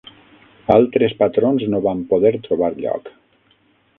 Altres patrons no van poder trobar lloc.